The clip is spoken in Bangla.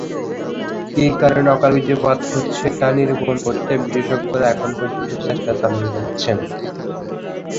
কী কারণে অকাল বীর্যপাত হচ্ছে তা নিরূপণ করতে বিশেষজ্ঞরা এখন পর্যন্ত চেষ্টা চালিয়ে যাচ্ছেন।